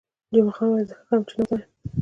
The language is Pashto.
جمعه خان وویل: زه ښه کوم، چې نه ورته وایم.